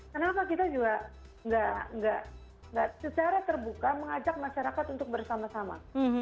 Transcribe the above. kenapa kita juga nggak secara terbuka mengajak masyarakat untuk bersama sama